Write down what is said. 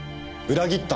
裏切った？